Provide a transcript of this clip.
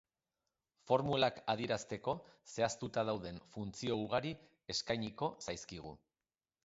Formulak adierazteko zehaztuta dauden funtzio ugari eskainiko zaizkigu.